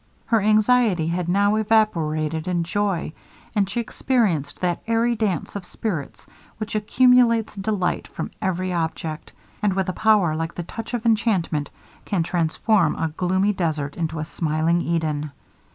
Her anxiety had now evaporated in joy, and she experienced that airy dance of spirits which accumulates delight from every object; and with a power like the touch of enchantment, can transform a gloomy desert into a smiling Eden.